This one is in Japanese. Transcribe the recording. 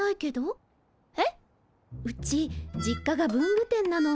うち実家が文具店なの。